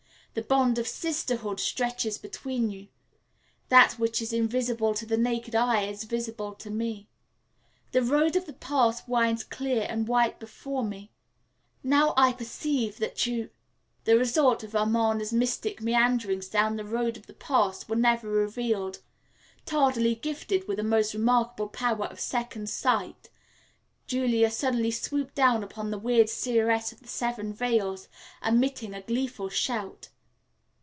The bond of sisterhood stretches between you. That which is invisible to the naked eye is visible to me. The road of the past winds clear and white before me. Now I perceive that you " The result of Amarna's mystic meanderings down the road of the past were never revealed. Tardily gifted with a most remarkable power of second sight, Julia suddenly swooped down upon the weird Seeress of the Seven Veils, emitting a gleeful shout.